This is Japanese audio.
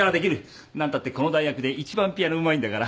何たってこの大学でいちばんピアノうまいんだから。